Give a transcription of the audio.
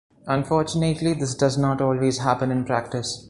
Unfortunately, this does not always happen in practice.